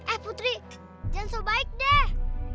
eh putri jangan so baik dah